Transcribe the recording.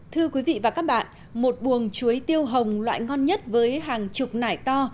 thưa quý vị và các bạn một buồng chuối tiêu hồng loại ngon nhất với hàng chục nải to